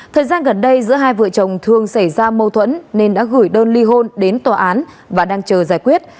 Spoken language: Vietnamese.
thời gian gần đây giữa hai vợ chồng thường xảy ra mâu thuẫn nên đã gửi đơn ly hôn đến tòa án và đang chờ giải quyết